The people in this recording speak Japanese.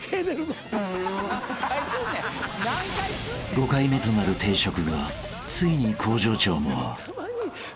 ［５回目となる定食後ついに向上長も］